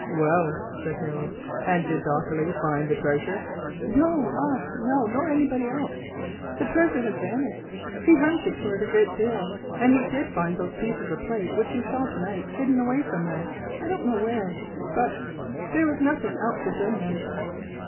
"Well," said Harold, "and did Dofferleigh find the treasure?" "No, ah, no, nor anybody else; the treasure has vanished. He hunted for it a great deal, and he did find those pieces of plate which you saw to night, hidden away somewhere, I don't know where, but there was nothing else with them."